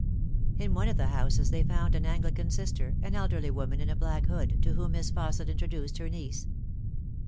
In one of the houses they found an Anglican Sister, an 198 The Fatal TJiree. elderly woman, in a black hood, to whom Miss Fausset intro duced her niece.